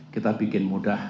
kita bikin mudah